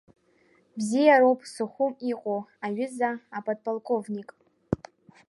Бзиароуп Сухум иҟоу, аҩыза аподполковник!